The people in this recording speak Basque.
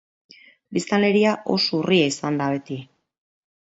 Biztanleria oso urria izan da beti.